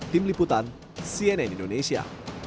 tim liputan cnn indonesia